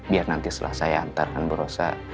biar nanti setelah saya antarkan bu rosa